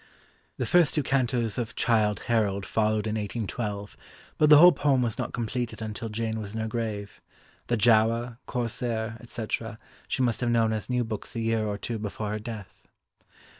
The first two cantos of Childe Harold followed in 1812, but the whole poem was not completed until Jane was in her grave; the Giaour, Corsair, etc., she must have known as new books a year or two before her death.